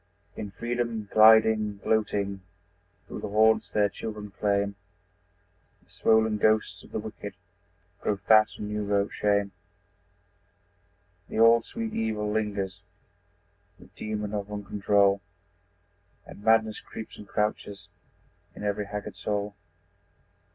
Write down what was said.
In freedom gliding, gloating, Through the haunts their children claim The swollen ghosts of the wicked Grow fat on new wrought shame. The old, sweet evil lingers, The demon of uncontrol, And madness creeps and crouches In every haggard soul.